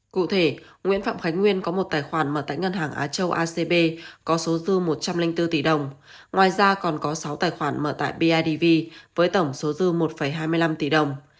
cụ thể nguyễn phạm khánh nguyên có một tài khoản mở tại ngân hàng á châu acb có số dư một trăm linh bốn tỷ đồng ngoài ra còn có sáu tài khoản mở tại bidv với tổng số dư một hai mươi năm tỷ đồng